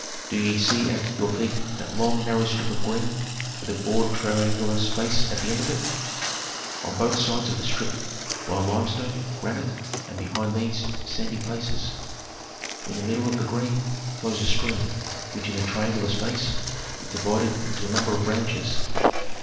"Do ye see at your feet that long, narrow strip of green with a broad triangular space at the end of it? On both sides of the strip lie limestone, granite, and, behind these, sandy places. In the middle of the green flows a stream, which in the triangular space is divided into a number of branches."